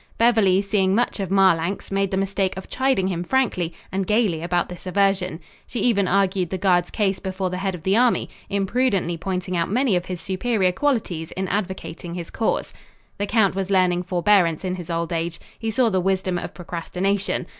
Beverly, seeing much of Marlanx, made the mistake of chiding him frankly and gaily about this aversion. She even argued the guard's case before the head of the army, imprudently pointing out many of his superior qualities in advocating his cause. The count was learning forbearance in his old age. He saw the wisdom of procrastination.